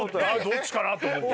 どっちかなと思って。